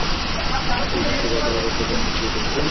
হ্যাঁ ঠিক আছে গতকাল রাতে তোমরা কি দেখেছো?